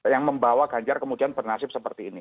yang membawa ganjar kemudian bernasib seperti ini